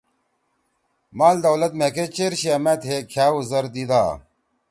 مال دولت مھیکش چیر چھیا ما تھیئے کھیأو زر دیدا۔